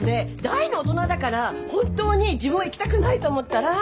大の大人だから本当に自分は行きたくないと思ったら。